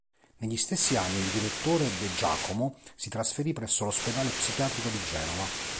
Negli stessi anni il direttore "de Giacomo" si trasferì presso l'ospedale psichiatrico di Genova.